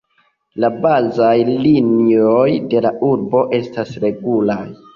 La bazaj linioj de la urbo estas regulaj.